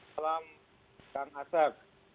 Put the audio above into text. salam kang asep